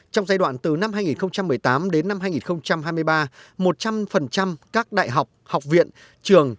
trong giai đoạn từ năm hai nghìn một mươi tám đến năm hai nghìn hai mươi ba một trăm linh các đại học học viện trường